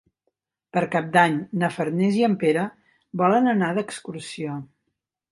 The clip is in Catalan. Per Cap d'Any na Farners i en Pere volen anar d'excursió.